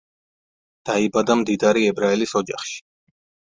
დაიაბადა მდიდარი ებრაელის ოჯახში.